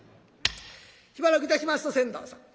しばらくいたしますと船頭さん